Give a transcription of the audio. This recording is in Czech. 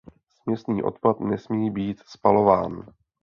Směsný odpad nesmí být spalován.